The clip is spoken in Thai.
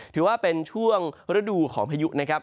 ถือว่าเป็นช่วงฤดูของพายุนะครับ